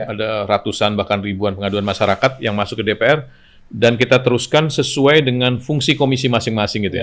ada ratusan bahkan ribuan pengaduan masyarakat yang masuk ke dpr dan kita teruskan sesuai dengan fungsi komisi masing masing gitu ya